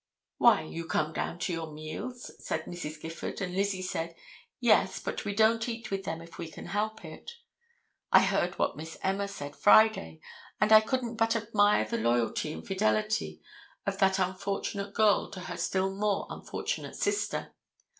"Why, you come down to your meals?" said Mrs. Gifford, and Lizzie said, "Yes, but we don't eat with them if we can help it." I heard what Miss Emma said Friday, and I could but admire the loyalty and fidelity of that unfortunate girl to her still more unfortunate sister.